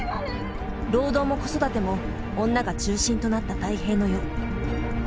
労働も子育ても女が中心となった太平の世。